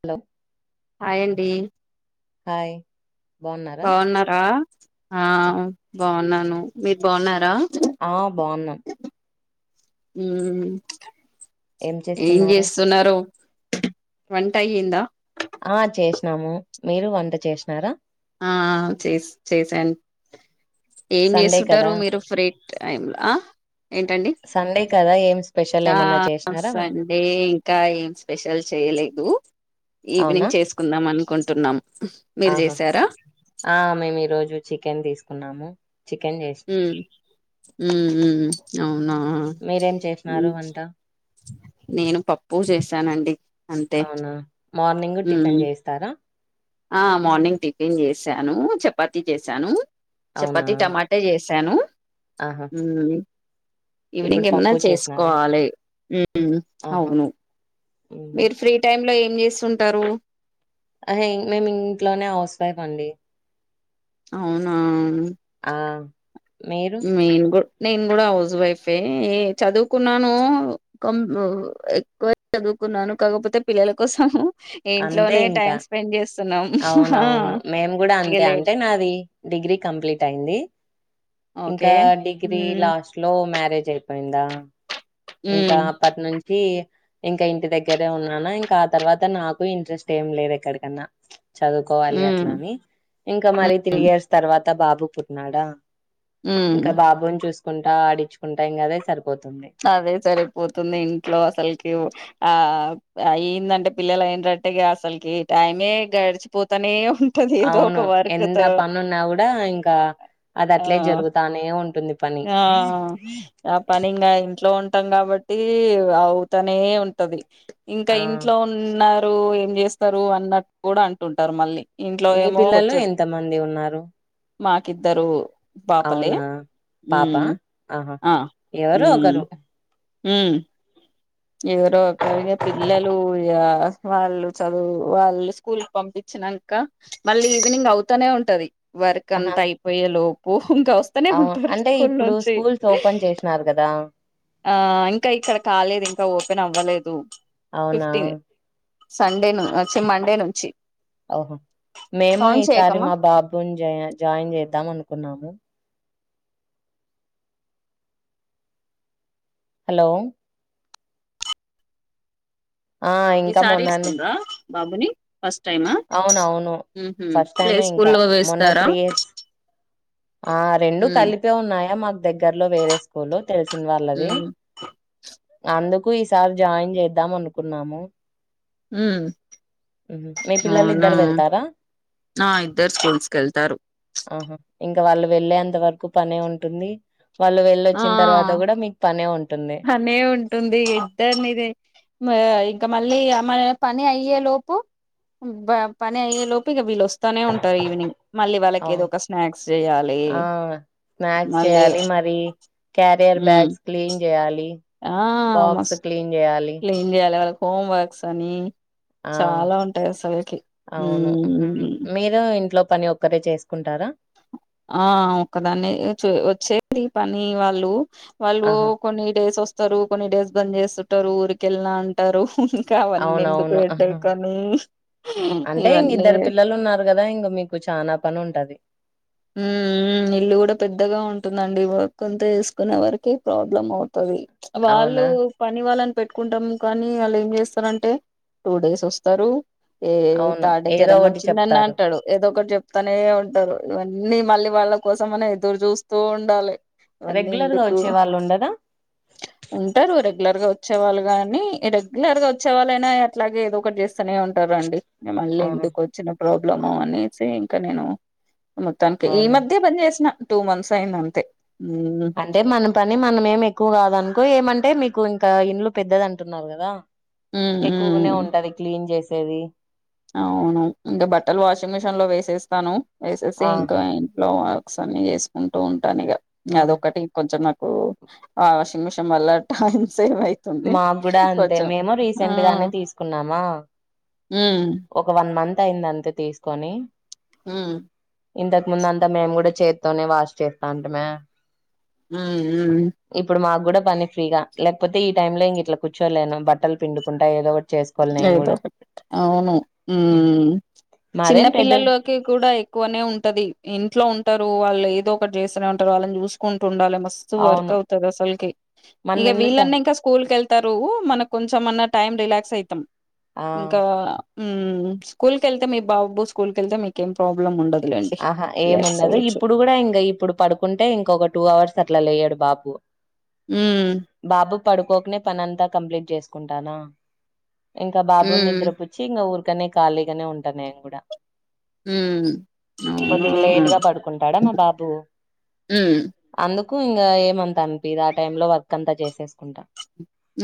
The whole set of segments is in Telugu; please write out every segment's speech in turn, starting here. హలో హాయండి హాయ్ బాగున్నారా ఆ బాగున్నాను మీరు బాగున్నారా ఆ బాగున్నాం హుమ్మ్ ఏం చేస్తున్నారు వంట అయిందా ఆ చేసినాము మీరు వంట చేసినారా ఆ చేస్ చేసాను ఏం సండే చేస్తుంటారు కదా మీరు ఫ్రీ టైమ్లా సండే కదా ఏం చే ఆ సండే ఇంకా ఏం స్పెషల్ చేయలేదు అవునా ఈవినింగ్ చేసుకుందాం అనుకుంటున్నాం మీరు ఆహా చేసారా ఆ మేము ఈరోజు చికెన్ తీసుకున్నాం ఉ ఉహు అవునా మీరేం చేసినారు వంట నేను పప్పు చేశానండి అవునా మార్నింగ్ టిఫిన్ చేస్తారా ఆ మార్నింగ్ టిఫిన్ జేసాను చపాతి జేసాను అవునా చపాతి టమాటా చేసా సాను ఆహా ఊ ఇప్పుడు ఈవినింగ్ ఏమన్నా పప్పు చేసినారా చేసుకోవాలి ఉ ఆహా అవును ఉమ్. మీరు ఫ్రీ టైమ్ లో ఏం చేస్తుంటారు అహే మేము ఇంట్లోనే హౌస్ వైఫ్ అవ్వండి అవునా ఆ మీరు మెయిన్ గు నేను కూడా హౌస్ వైఫే ఏ చదువుకున్నాను ఎక్కువ చదువు కున్నాను కాకపోతే పిల్లల కోసం అంతే ఇంట్లోనే ఇంకా టైం స్పెండ్ చేస్తున్నాం ఆ అవునవును మేము కూడా ఇగ అంతే లేట్ అంతే నాది డిగ్రీ కంప్లీట్ అయింది ఇంకా ఓకే డిగ్రీ మ్మ్ లాస్ట్ లో మ్యారేజ్ అయిపోయిందా ఇంక మ్మ్ అప్పటి నుంచి ఇంకా ఇంటి దగ్గరే ఉన్నానా ఇంకా ఆ తర్వాత నాకు ఇంట్రెస్ట్ ఏం లేదు ఎక్కడికన్నా చదువుకోవాలి మ్మ్ అట్లాని ఇంకా మరి త్రీ ఇయర్స్ తర్వాత బాబు పుట్టిన్నాడా మ్మ్ ఇంకా బాబుని చూసుకుంటా ఆడించుకుంటా ఇంకదే సరిపోతుంది అదే సరిపోతుంది ఇంట్లో అసలుకి ఆ ఏందంటే పిల్లలు అయిన్రు అట్టే అసలుకి ఈ టైమే గడిచిపోతానే ఉంటది ఏదో ఒక అవును వర్క్ ఎంత తో పనున్నా గూడా ఇంకా అది అట్లే జరుగుతానే ఉం అ ఆపనింగా ఇంట్లో ఉన్ టం కాబట్టి అవుతనే ఉంటది ఇంకా ఆ! ఇంట్లో ఉన్న ఏం జేస్తరు అన్నట్టు కూడా అంటుంటారు మళ్ళీ ఇంట్లో మీ ఏమో పిల్లలు వచ్చాడు ఎంతమంది ఉన్నారు? మాకిద్దరు పాపలే అవునా పాపా ఉమ్ ఆహా ఎవరో ఒకరు ఊమ్ ఎవరో ఒక కగా పిల్లలు ఇగ వాళ్ళు చదువు వాళ్ళు స్కూల్ కి పంపించినంక మళ్ళీ ఈవినింగ్ అవుతానే ఉంటది వర్క్ ఆహా అంతా అయిపోయే లోపు ఇంకా వస్తనే అవు ఉంటారు అంటే స్కూల్ ఇప్పుడు నుంచి స్కూల్స్ ఓపెన్ చేసినారు కదా ఆ ఇంకా ఇక్కడ కాలేదు ఇంకా ఓపెన్ అవ్వలేదు అవునా సండేను వచ్చి మండే నుంచి ఓహో మేము కౌంట్ ఈసారి చేయకమ్మా మా బాబుని జ జాయిన్ చేద్దాం అనుకున్నాము హలో ఆ ఇంకా ఈసారీ మొన్ననే ఇస్తుండ్రా బాబుని ఫస్ట్ టైమా అవునవును ఫస్ట్ ప్లే టైమే ఇంకా స్కూల్లో మొన్న వేస్తారా త్రీ ఇయర్స్ ఆ రెండు ఉ కలిపే ఉన్నాయా మాకు దగ్గర్లో వేరే స్కూల్ తెలిసిన ఉ వాళ్ళది అందుకు ఈసారి జాయిన్ జేద్దాం అనుకున్నాము ఉ హుహు. మీ పిల్లలు అవునా ఇద్దరు వెళ్తారా ఆ ఇద్దరు స్కూల్స్కి వెళ్తారు ఆహా ఇంకా వాళ్ళు వెళ్ళేంత వరకు పనే ఉంటుంది వాళ్ళు ఆ వెళ్ళొచ్చిన తర్వాత కూడా మీకు పనే ఉంటుంది అనే ఉంటుంది ఇద్దనిది మరి ఇంకా మళ్ళీ మ పని అయ్యేలోపు పని అయ్యేలోపు ఇగ వీల వస్ వస్తానే ఉంటా ఈవినింగ్ మళ్ళీ వాళ్ళకి ఏదో అవును ఒక స్నాక్స్ జేయాలి ఆ స్నాక్స్ చేయాలి మరి క్యారియర్ బ్యాగ్స్ క్లీన్ చేయాలి ఆ బాక్స్ మస్ క్లీన్ చేయాలి క్లీన్ చేయాలి వాళ్ళకి హోమ్ వర్క్స్ అని ఆ చాలా ఉంటాయి అసలుకి అవును ఉహు. మీరు ఇంట్లో పని ఒక్కరే చేసుకుంటారా ఆ ఒకదాన్ని వచ్చే పని వాళ్ళు వాళ్ళు ఆహా! కొన్ని డేస్ వస్తరు కొన్ని డేస్ బంద్ చేస్తుంటారు ఊరికెళ్ళినా అంటరు ఇంకావన్నీ ఎందుకు అవునవును. ఆహా! హెడ్డేకనీ అంటే ఇంగ ఇద్దరు పిల్లలు ఉన్నారు కదా ఇంగ మీకు చానా పని ఉంటది ఉ ఇల్లు కూడా పెద్దగా ఉంటుందండి వర్క్ అంతా చేసుకునే వరకు ప్రాబ్లం అవుతది ప్చ్ వాళ్ళు అవునా? పని వాళ్ళని పెట్టుకుంటమ్ కానీ అళ్ ఏం చేస్తారంటే టూ డేస్ వస్తరు ఏ అవును. తాటి ఏదో జ్వరం ఒకటి వచ్చిందన్న చెప్తారు. అంటాడు ఏదో ఒకటి చెప్తానే ఉంటడు ఇవన్నీ మళ్ళీ వాళ్ళ కోసం మనం ఎదురు చూస్తూ ఉండాలి ఇవన్నీ రెగ్యులర్‌గా ఎందుకు వచ్చేవాళ్ళు ఉండరా? ఉంటారు రెగ్యులర్గా చ్చేవాలు గాని రెగ్యులర్ గా వచ్చేవాలైనా అ అట్లగే ఏదో ఒకటి చేస్త్ అస్తనే ఉంటారండి మళ్ళీ ఆహా! ఎందుకు వచ్చిన ప్రాబ్లము అనేసి ఇంక నేను మొత్తానికి ఈ అవునా? మధ్యే బన్ చేసిన టూ మంత్స్ అయిందంతే అంటే మన పని మనం ఏం ఎక్కువ కాదన్ కో ఏమన్ టే మీకు ఇంకా ఇండ్లు పెద్దద అంటున్నారు గదా ఉమ్ ఎక్కువగానే ఉమ్ ఉంటది క్లీన్ చేస్ ఏది ఇ అవును మ్ ఇంగ బట్టలు వాషింగ్ మిషిన్లో వేసేస్తాను వేసేసి ఆ ఇంక ఇన్ లో వర్క్స్ అన్ని చేసుకుంటూ ఉంటాను ఇగ ఆహా అదొక్కటి కొంచెం నక్ ఓ ఆ వాషింగ్ మిషిన్ వళ్ళ సేవ్ అయితుంది మాకు కూడా అంతే కొంచెం మేము ఆ రీసెంట్ గానే తీసుకున్నామా మ్మ్ ఒక వన్ మంత్ అయింది అంతే తీసుకొని మ్మ్ ఇంతకు ముందు అంత మేము కూడా చేత్తోనే వాష్ చేస్తా అంటిమే మ్మ్ మ్మ్ కుడా పని ఫ్రీగా లేకపోతే ఈ టైమ్లో ఇంగ ఇట్ల కూర్చోలేను బట్టలు పిండుకుంట ఏదో ఒట్ ఏదోఒకటి అవును ఉమ్మ్ చిన్న మాదేం పెద్దది పిల్లల్లోకి కూడా ఎక్కువనే ఉంటది ఇంట్లో ఉన్ టరు వాళ్ళు ఏదో ఒకటి చేస్తూనే ఉంటారు వాళ్ళని చూసుకుంటూ ఉండాలి మస్తు వర్క్ అవును అవుతది అసల్కి మనం ఇగ ఇండ్లు స వీల్లన్న ఇంక స్కూల్ కెల్ తరు ఉ మనకు కొంచమన్నా టైం రిలాక్స్ అయితం ఆ ఇంకా మ్మ్ స్కూల్ కెళ్తే మీ బాబు స్కూల్ కెళ్తే మీకేం ప్రాబ్లం ఉండదు ఆహా ఏముండదు ఇప్పుడు కూడా ఇంగ ఇప్పుడు పడుకుంటే ఇంక ఒక టూ అవర్స్ అట్ల లేయడు బాపు మ్మ్ ఉ పడుకోకనే పనంతా కంప్లీట్ చేసుకుంటానా ఇంక బాబుని మ్మ్ నిద్ర పుచ్చి ఇంగ ఊర్ కని ఖాళీగానే ఉంట నేను గుడా మ్మ్ హు కొద్దిగ లేట్ గా పడుకుంటాడా నా బాబు మ్మ్ అందుకు కు ఇంగ ఏమంత అనిపియ్యదు ఆ టైంలో వర్క్ అంతా చేసేసుకుంటా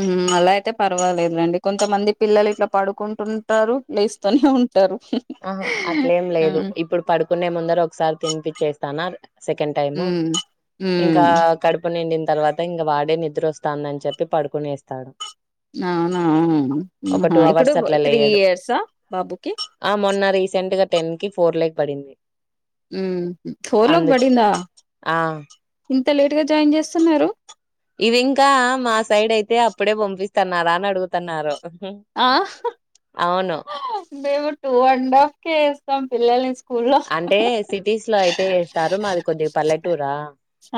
మ్ అలా అయితే పర్వాలేదు లెండి కొంతమంది పిల్లలు ఇట్ల పడుకుంటుంటారు లేస్తూనే ఉ ఆహా అట్లేం లేదు ఇప్పుడు పడుకునే ముందర ఒకసారి తినిపిచ్చేస్తాన అ సెకండ్ టైమ్ హ్మ్ హ్మ్ ఇంకా ఆ కడుపు నిండింది తర్వాత ఇంగ వాడే నిద్ర వస్తాందని చెప్పి పడుకునేస్తాడు అవునా మ్మ్ ఒక హా ఇప్పుడు అవర్స్ అట్లా త్రీ లేయడు. ఇయర్సా బాబుకి ఆ మొన్న రీసెంట్ గా టెన్ కి ఫోర్ లేకి పడింది మ్మ్ హ్హ్ ఫోర్ లోకి అందుకి బడింద ఆ ఇంత లేట్ గా జాయిన్ చేస్తన్నారు ఇది ఇంకా మా సైడ్ అయితే అప్పుడే పంపిస్తన్నారా అని అడుగుతన్నారు ఆ మేము టూ అండ్ హాఫ్ కే ఏస్తాం పిల్లలని స్కూ అంటే సిటీస్ లో అయితే ఏస్తారు మాది కొద్దిగ పల్లెటూరా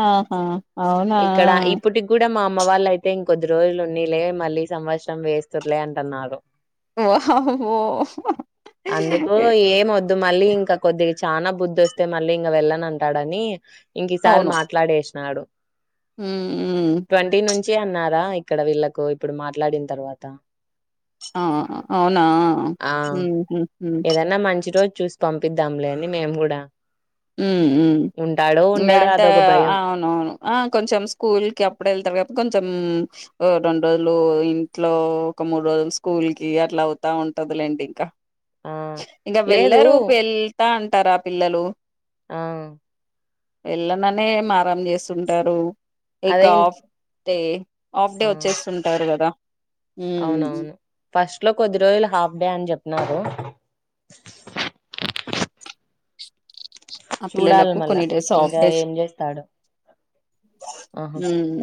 ఆహా! అవునా! ఇక్కడ ఇప్పటి గుడా మామ్ అమ్మ వాళ్ళ అయితే ఇంకొద్ది రోజులు ఉన్నిలే మళ్ళీ సంవత్సరం వేస్తురులే అంటన్నారు వామ్మో! అందుకు ఏం వద్దు మళ్ళీ ఇంకా ఇగ చానా బుద్దస్తే మళ్ళీ ఇంగ వెళ్ళనంటాడని ఇ ఇంకిసారి అవును. మాట్లాడేసినాడు హ్మ్ హ్మ్ చే అన్నారా ఇక్కడ వీళ్ళలకు ఇప్పుడు మాట్లాడిన తర్వాత ఆ అవునా ఆ హ్మ హు ఏదన్నా మంచి రోజు చూసి పంపిద్దాంలే అని మేము గూడా హ్మ్ హ్మ్ ఇంగా ఉండడో అంటే అదొక భయం అవునవును ఆ కొంచెం స్కూల్కి అప్పుడు వెళ్తారు కొంచెం ఓ రెండు రోజులు ఇంట్లో ఒక మూడు రోజులు స్కూల్ కి అట్లా అవుతా ఉంటదిలేండి ఇంకా ఆ ఇంకా లేదు వెళ్ళరు వెళ్తా అంటారా పిల్లలు ఆ వెళ్ళననే మరాం చేస్తుంటారు ఈ అదే ఇన్ గాఫ్ తే ఆఫ్ డే ఆ వచ్చేస్తుంటారు గదా అవునవును ఫస్ట్ లో కొద్ది రోజులు హాఫ్ డే అని జొప్పినారు ఆ చూడాలి పిల్లలకు మళ్ళా కొన్ని డ్రెస్ ఆఫ్ ఇంకా డేస్ ఏం చేస్తాడు ఆహా హ్మ్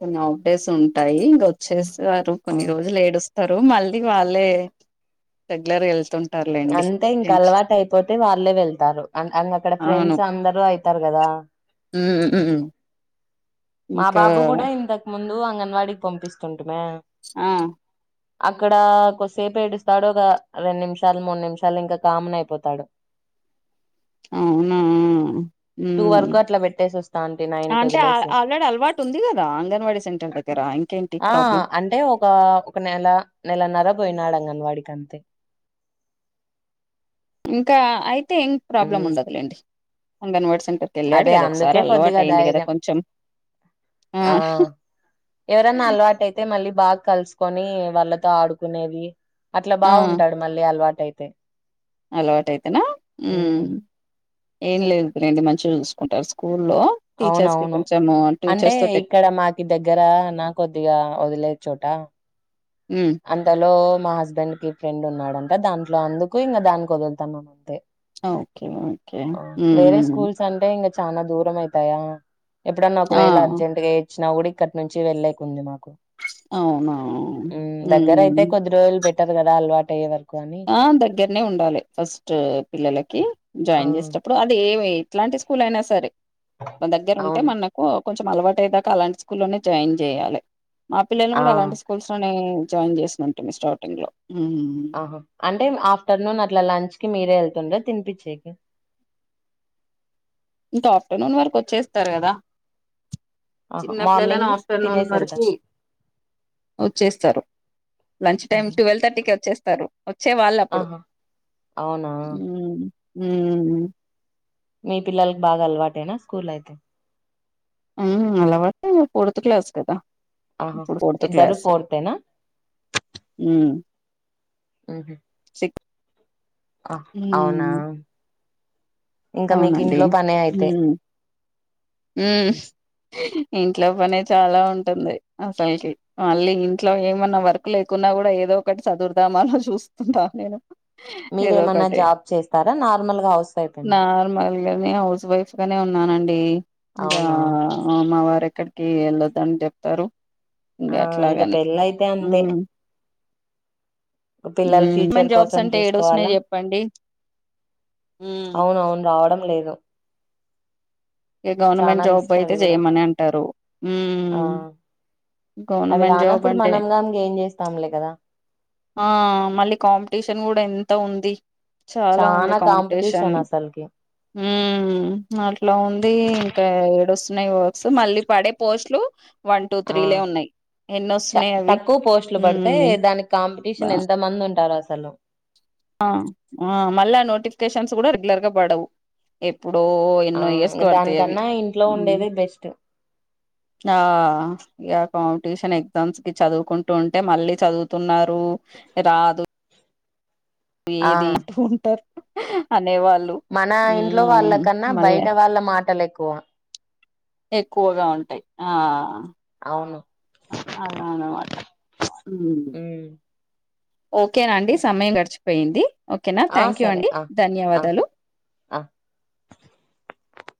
కొన్ని ఆఫ్ డేస్ ఉంటాయి ఇంక వచ్చేస వారు ఆ కొన్ని రోజులు ఏడుస్ తరు మళ్ళీ వాళ్ళే రెగ్యులర్గా వెళ్తుం అంతే ఇంకా అలవాటు అయిపో అతే వాళ్ళే వెళ్తారు అం అక్కడ అవును ఫ్రెండ్స్ అందరుూ అయితారు కదా హ్మ్ హ్మ్ మా ఇంకా బాబు కూడా ఇంతకు ముందు అంగన్వాడకి పంపిస్తుంటమే ఆ అక్కడ కొద్దిసేపు ఏడుస్తాడు ఒక రెండు నిమిషాలు మూడు నిమిషాలు ఇంకా కామన్ అయిపోతాడు అవునా టూ వరకు హ్మ్ అట్లా పెట్టేసి వస్తాంటి నైన్ కు అంటే ఆ వదిలేసి ఆల్రెడీ అలవాటు ఉంది కదా అంగన్వాడీ సెంటర్ దగ్గర ఇంకేంటి ఆ ప్రాబ్లం అంటే ఒక ఒక నెల నె లనర పోయినాడు అంగన్వాడీకంతే ఇంకా అయితే ఏం ప్రాబ్లం ఉండదులేండి అంగన్వాడ్స్ [unintelligible] యెల్లాడు అదే కదా అందుకే ఒకసారి అలవాటు కొద్దిగా అయింది కదా ధైర్యం కొంచెం ఆ ఎవరన్నా అలవాటు అయితే మళ్ళీ బాగా కలుసుకొని వాళ్ళతో ఆడుకునేవి అట్లా బాగుంటాడు మళ్ళీ అలవాటయితే అలవాటయితేనా ఉమ్ హ్మ్ ఏం లేదులెండి మంచిగా చూసుకుంటారు స్కూల్ అవునవును అంటే టీచర్స్ తోటి ఇక్కడ మాకు దగ్గర నా కొద్దిగా వదిలే చోట హ్మ్ అంతలో మా హస్బెండ్ కి ఫ్రెండ్ ఉన్నాడంట దాంట్లో అందుకు ఇంగా దానికి వదులుతాన్నాం అంతే ఓకే ఓకే వేరే హ్మ్ స్కూల్స్ అంటే ఇంగ చానా దూరం అయితాయా ఎప్పుడన్నా ఆ ఒకవేళ అర్జెంట్ గా ఇచ్చినా కూడా ఇక్కడి నుంచి వెళ్లేకుంది మాకు అవునా దగ్గరయితే హ్మ్ కొద్ది రోజులు పెట్టారు కదా అలవాటు అయ్యే వరకు అని ఆ దగ్గరనే ఉండాలి ఫస్ట్ పిల్లలకి ఆ జాయిన్ చేసేటప్పుడు అది ఏ ఎట్లాంటి స్కూల్లో అయినా సరే మా దగ్గర ఉంటే అవును మనకు కొంచెం అలవాటు అయ్యేదాకా అలాంటి స్కూల్లోనే జాయిన్ జేయాలె మా పిల్లలు ఆ కూడా అలాంటి స్కూల్స్ లోనే జాయిన్ చేసిన ఉంటుం స్టార్టింగ్ లో ఆహా అంటే ఆఫ్టర్నూన్ అట్లా లంచ్ కి మీరే వెళ్తుండ్రా తినిపిచ్చేకి ఇంకా ఆఫ్టర్నూన్ వరకు వచ్చేస్తారు కదా ఆహా చిన్నపిల్లలను మార్నింగ్ ఆఫ్టర్నూన్ తినేసి వెళ్తా వరకు వచ్చేస్తారు లంచ్ టైమ్ మ్హూ. టువల్ థర్టీకి వచ్చేస్తారు వచ్చే వాళ్ళప్పుడు ఆహా అవునా ఉ హూ మీ పిల్లలకి బాగా అలవాటేనా స్కూల్ అయితే ఉ అలవాటే ఫోర్తు క్లాస్ కదా ఆహా ఇప్పుడు ఫోర్త్ ఇద్దరు క్లాస్ ఫోర్తేనా ఉ ఆహ ఆ అవునా ఇంక మీకు అవునండి ఇంట్లో పనే అయితే ఉ ఇంట్లో పనే చాలా ఉంటుంది అసలకి మళ్ళీ ఇంట్లో ఏమన్నా వర్క్ లేకున్నా కూడా ఏదో ఏదో ఒకటి చదురదామా అని చూస్తుంటా నేను ఏదో మీరేమన్నా ఒకటి జాబ్ చేస్తారా నార్మల్ గా హౌస్ వైఫేనా నార్మల్గానే హౌస్ వైఫ్ గానే ఉన్నానండి ఇంకా అవునా అ మవారు ఎక్కడికి వెళ్ళొద్ద అని చెప్తారు ఆ ఇంకా అట్లాగని పెళ్ళయితే పిల్లలు హ్మ్ ఫ్యూచర్ మెంట్ జాబ్స్ కోసం అంటే చూసుకోవాలా ఏడొస్తున్నాయి చెప్పండి హ్మ్ అవునవును రావడం లేదు ఇక చానా గవర్నమెంట్ జాబ్ రిస్క్ అయితే అది కూడా జెయ్యమని అంటారు ఆ అవి గవర్నమెంట్ జాబ్ రానప్పుడు అంటే మనగాంగ ఏం చేస్తాంలే కదా ఆ మళ్ళీ కాంపిటీషన్ కూడా ఎంత ఉంది చాలా ఉంది చానా కాంపిటీషన్ అసలుకి ఊమ్ అట్లా ఉంది ఇంకా ఏడుస్తున్నాయి వర్క్స్ మళ్ళీ పడే పోస్ట్లు వన్ టూ ఆ త్రీ లె ఉన్నాయ్ చ తక్కువ పోస్ట్లు పడితే దానికి కాంపిటీషన్ ఎంత మంది ఉంటారు అసలు ఆ మళ్ళా నోటిఫికేషన్స్ కూడా రెగ్యులర్గా పడవు ఇప్పుడో ఆ ఎన్నో ఇంగ ఇయర్సుకు పడతాయి అవి దానికన్నా ఇంట్లో ఉండేది బెస్ట్ ఆ కాంపిటీషన్ ఎగ్జామ్స్ కి చదువుకుంటూ ఉంటే మళ్ళీ చదువుతున్నారు రాదు ఆ ఏది ఉంటారు అనేవారు మన ఇంట్లో వాళ్ళకన్నా బయట వాళ్ళ మాటలు ఎక్కువ ఎక్కువగా ఉంటాయి ఆహా అవును అలనమాట ఉ ఉమ్ ఓకేనా అండి సమయం గడిచిపోయింది ఓకేనా ఆ థ్యాంక్ యూ సరే అండి ఆ ఆ ధన్యవాదాలు ఆ